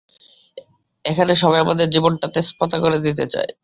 এখানে সবাই আমার জীবনটা তেজপাতা করে দিতে চায়।